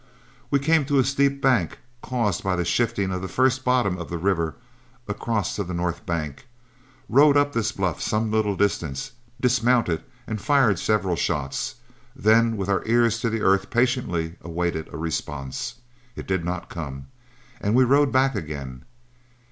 We came to a steep bank, caused by the shifting of the first bottom of the river across to the north bank, rode up this bluff some little distance, dismounted, and fired several shots; then with our ears to the earth patiently awaited a response. It did not come, and we rode back again.